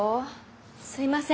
すいません。